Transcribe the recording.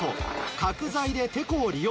角材でてこを利用。